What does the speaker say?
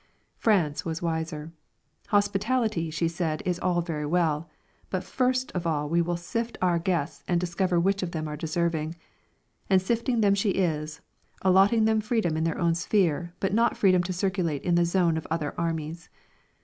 France was wiser. Hospitality, she said, is all very well, but first of all we will sift our guests and discover which of them are deserving. And sifting them she is, allotting them freedom in their own sphere, but not freedom to circulate in the zone of other armies.